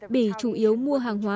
bỉ chủ yếu mua hàng hóa